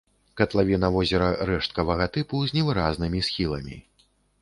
Катлавіна возера рэшткавага тыпу з невыразнымі схіламі.